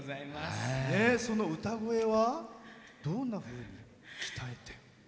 その歌声はどんなときに鍛えて。